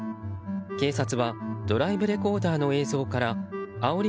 警察はドライブレコーダーの映像からあおり